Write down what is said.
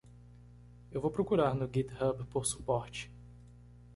Eu vou procurar no Github por suporte.